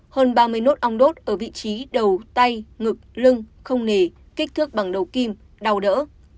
hơn ba mươi nốt ong đốt ở vị trí đầu tay ngực lưng không nề kích thước bằng đầu kim đau đỡ